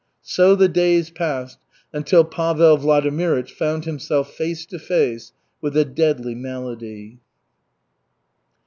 So the days passed until Pavel Vladimirych found himself face to face with a deadly malady.